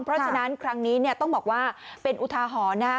เพราะฉะนั้นครั้งนี้เนี่ยต้องบอกว่าเป็นอุทาหรณ์นะฮะ